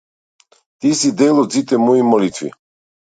Ти си дел од сите мои молитви.